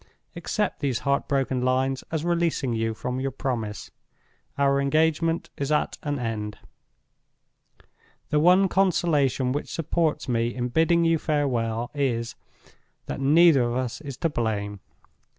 Accept these heart broken lines as releasing you from your promise. Our engagement is at an end. "The one consolation which supports me in bidding you farewell is, that neither of us is to blame.